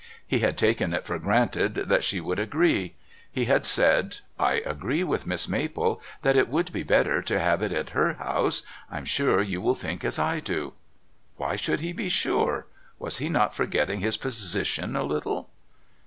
He had taken it for granted that she would agree. He had said: "I agreed with Miss Maple that it would be better to have it at her house. I'm sure you will think as I do." Why should he be sure? Was he not forgetting his position a little?...